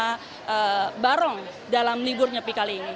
ada barong dalam libur nyepi kali ini